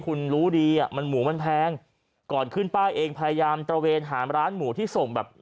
เขาบอกว่าโอ้โห